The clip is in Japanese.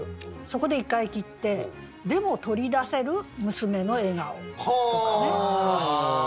そこで一回切って「でも取り出せる娘の笑顔」とかね。